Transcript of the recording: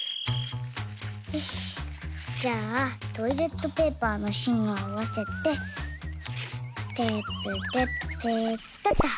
よしじゃあトイレットペーパーのしんをあわせてテープでペタッと。